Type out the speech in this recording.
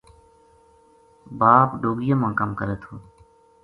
باپ ڈوگیاں ما کم کرے تھو